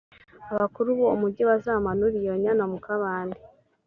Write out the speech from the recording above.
abakuru b’uwo mugi bazamanure iyo nyana mu kabande